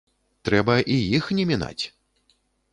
Трэба і іх не мінаць.